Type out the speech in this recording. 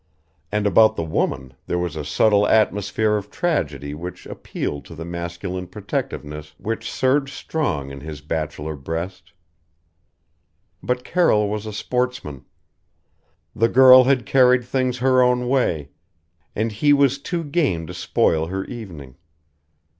And about the woman there was a subtle atmosphere of tragedy which appealed to the masculine protectiveness which surged strong in his bachelor breast. But Carroll was a sportsman. The girl had carried things her own way and he was too game to spoil her evening.